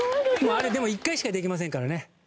あれでも１回しかできませんからね。